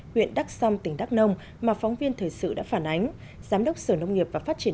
huyện đắc sông tỉnh đắc nông mà phóng viên thời sự đã phản ánh giám đốc sở nông nghiệp và phát triển